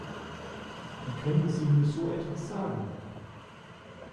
Wie können Sie nur so etwas sagen?